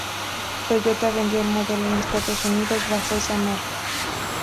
Toyota vendió el modelo en Estados Unidos bajo esa marca.